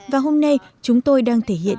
và hôm nay chúng tôi đang thể hiện